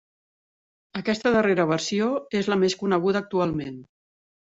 Aquesta darrera versió és la més coneguda actualment.